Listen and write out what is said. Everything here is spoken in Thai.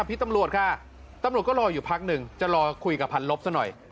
พี่ตำรวจค่ะตำรวจก็รออยู่พักหนึ่งจะรอคุยกับพันลบซะหน่อย